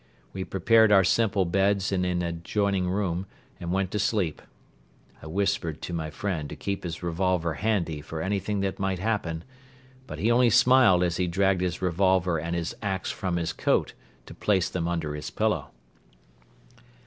We prepared our simple beds in an adjoining room and went to sleep. I whispered to my friend to keep his revolver handy for anything that might happen but he only smiled as he dragged his revolver and his ax from his coat to place them under his pillow.